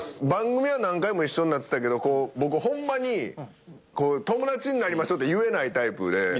番組は何回も一緒になってたけど僕ホンマに友達になりましょうって言えないタイプで。